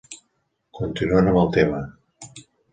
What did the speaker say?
Continuant amb el tema.